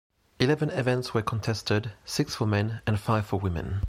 Eleven events were contested, six for men and five for women.